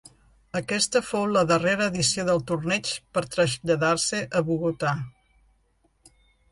Aquesta fou la darrera edició del torneig per traslladar-se a Bogotà.